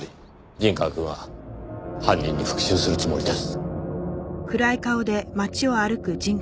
陣川くんは犯人に復讐するつもりです。